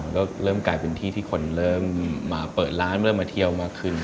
ก็เริ่มกลายเป็นที่ที่คนเริ่มมาเปิดร้านเริ่มมาเที่ยวมากขึ้น